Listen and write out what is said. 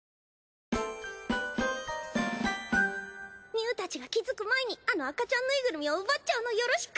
みゅーたちが気付く前にあの赤ちゃんぬいぐるみを奪っちゃうのよろしく！